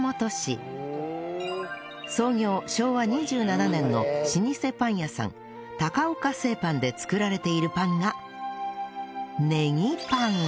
創業昭和２７年の老舗パン屋さん岡製パンで作られているパンがへえネギパン。